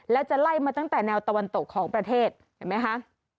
แล้วจะไล่มาตั้งแต่แนวตะวันตกของประเทศเห็นไหมคะ